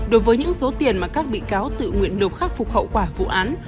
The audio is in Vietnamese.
đối với những số tiền mà các bị cáo tự nguyện nộp khắc phục hậu quả vụ án